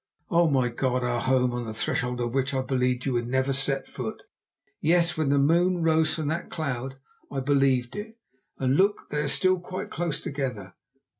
Oh! my God! our home on the threshold of which I believed you would never set a foot. Yes, when the moon rose from that cloud I believed it, and look, they are still quite close together.